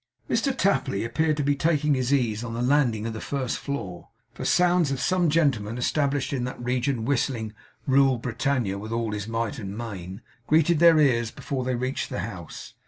Mr Tapley appeared to be taking his ease on the landing of the first floor; for sounds as of some gentleman established in that region whistling 'Rule Britannia' with all his might and main, greeted their ears before they reached the house.